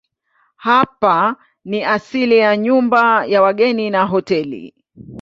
Hapa ni asili ya nyumba ya wageni na hoteli.